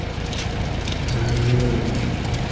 কিন্তু তুমি আমাকে বলতে পারো না, আমিও তোমাকে বলতে পারব না।